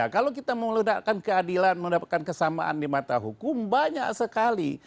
kalau kita mau ledakan keadilan mendapatkan kesamaan di mata hukum banyak sekali